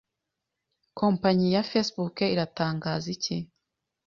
Kompanyi ya Facebook iratangaza icyi